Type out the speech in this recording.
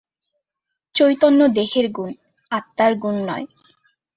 চৈতন্য দেহের গুণ, আত্মার গুণ নয়।